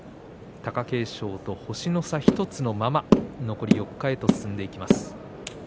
貴景勝と星の差１つのまま残り４日へと進んでいきます。